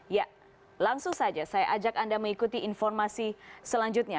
ya langsung saja saya ajak anda mengikuti informasi selanjutnya